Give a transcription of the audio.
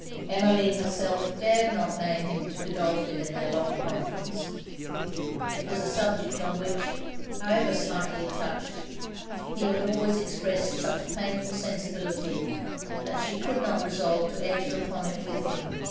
Emmeline herself dared not name him to Godolphin in their long conference. It was a subject, on which (however slightly touched) he had always expressed such painful sensibility, that she could not resolve to enter upon it with him.